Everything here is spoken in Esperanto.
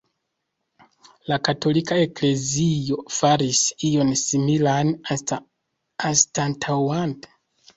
La katolika eklezio faris ion similan anstataŭante tiujn kutimojn per la karnavalo.